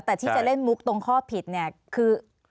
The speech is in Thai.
แต่ที่จะเล่นมุกตรงข้อผิดเนี่ยคือ